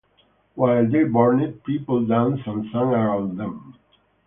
While they burned, people danced and sang around them.